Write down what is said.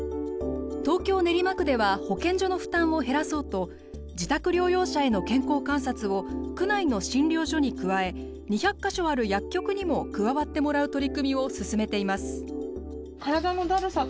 東京・練馬区では保健所の負担を減らそうと自宅療養者への健康観察を区内の診療所に加え２００か所ある薬局にも加わってもらう取り組みを進めています。